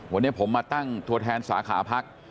วันนี้ผมมาตั้งตัวแทนสาขาพัก